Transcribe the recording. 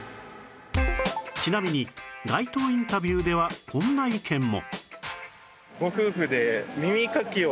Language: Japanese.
ちなみに街頭インタビューではこんな意見も